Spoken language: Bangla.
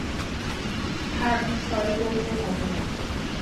থাক, সরি বলতে হবে না।